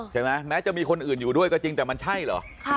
แม้จะมีคนอื่นอยู่ด้วยก็จริงแต่มันใช่เหรอ